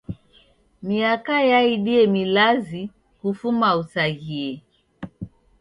Miaka yaidie milazi kufuma usaghie.